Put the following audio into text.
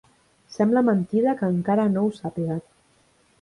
Sembla mentida que encara no ho sàpiga.